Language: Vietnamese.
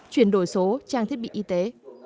chuyển đổi số trang thiết bị y tế